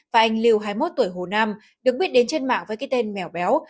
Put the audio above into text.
và anh lưu hai mươi một tuổi hồ nam được biết đến trên mạng với cái tên mèo béo